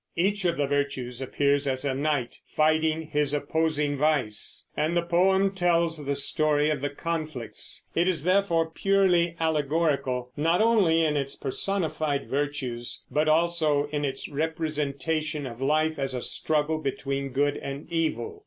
Each of the Virtues appears as a knight, fighting his opposing Vice, and the poem tells the story of the conflicts. It is therefore purely allegorical, not only in its personified virtues but also in its representation of life as a struggle between good and evil.